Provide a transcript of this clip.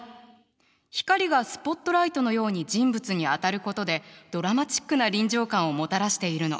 光がスポットライトのように人物に当たることでドラマチックな臨場感をもたらしているの。